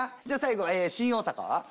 じゃあ最後新大阪は？